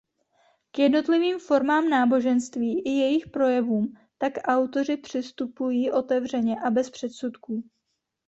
K jednotlivým formám náboženství i jejich projevům tak autoři přistupují otevřeně a bez předsudků.